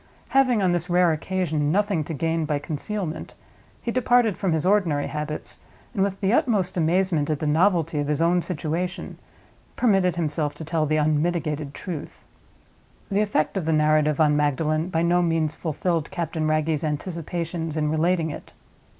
Having, on this rare occasion, nothing to gain by concealment, he departed from his ordinary habits, and, with the utmost amazement at the novelty of his own situation, permitted himself to tell the unmitigated truth. The effect of the narrative on Magdalen by no means fulfilled Captain Wragge's anticipations in relating it.